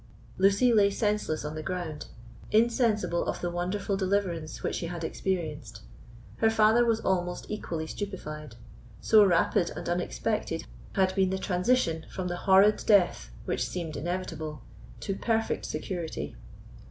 Lucy lay senseless on the ground, insensible of the wonderful deliverance which she had experience. Her father was almost equally stupefied, so rapid and unexpected had been the transition from the horrid death which seemed inevitable to perfect security.